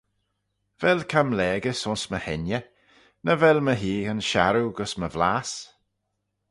Vel camlaagys ayns my hengey? nagh vel my heaghyn sharroo gys my vlass?